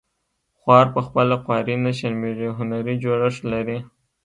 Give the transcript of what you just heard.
خوار په خپله خواري نه شرمیږي هنري جوړښت لري